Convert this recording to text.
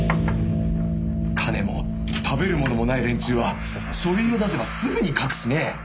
金も食べるものもない連中は書類を出せばすぐに書くしね。